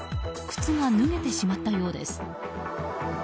靴が脱げてしまったようです。